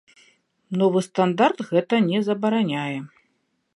Новы стандарт гэта не забараняе.